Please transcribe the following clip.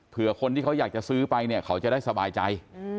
เพื่อคนที่เขาอยากจะซื้อไปเนี่ยเขาจะได้สบายใจ